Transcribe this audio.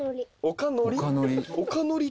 おかのり？